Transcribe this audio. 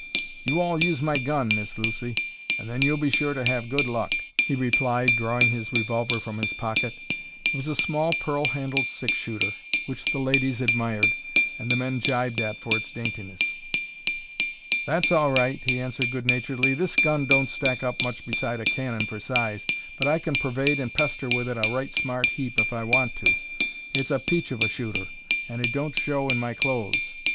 "You all use my gun, Miss Lucy, and then you'll be sure to have good luck," he replied, drawing his revolver from his pocket. It was a small pearl handled six shooter, which the ladies admired, and the men jibed at for its daintiness. "That's all right," he answered good naturedly. "This gun don't stack up much beside a cannon for size, but I can pervade and pester with it a right smart heap if I want to. It's a peach of a shooter, and it don't show in my clothes.